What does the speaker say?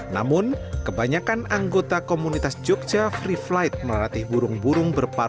namun kebanyakan anggota komunitas jogja free flight melatih burung burung berpengalaman